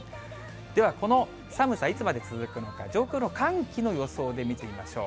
ではこの寒さ、いつまで続くのか、上空の寒気の予想で見てみましょう。